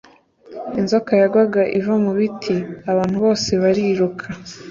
inzoka yagwaga iva mu biti abantu bose bariruka.